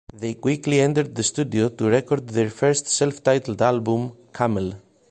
They quickly entered the studio to record their first self-titled album, "Camel".